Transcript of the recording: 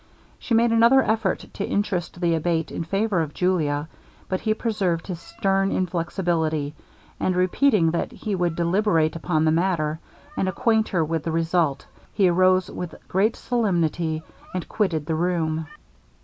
She made another effort to interest the Abate in favor of Julia, but he preserved his stern inflexibility, and repeating that he would deliberate upon the matter, and acquaint her with the result, he arose with great solemnity, and quitted the room.